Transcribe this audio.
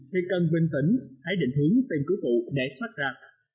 thì cần bình tĩnh hãy định hướng tìm cứu để thoát ra